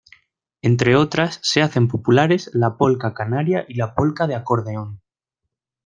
Entre otras, se hacen populares la polca canaria y la polca de acordeón.